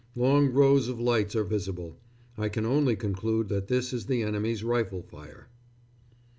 Long rows of lights are visible. I can only conclude that that is the enemy's rifle fire.